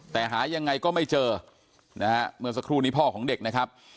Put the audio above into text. แต่หายังไงก็ไม่เจอนะฮะเมื่อสักครู่นี้พ่อของเด็กนะครับ